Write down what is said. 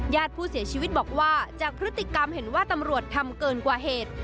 ญาติผู้เสียชีวิตบอกว่าจากพฤติกรรมเห็นว่าตำรวจทำเกินกว่าเหตุ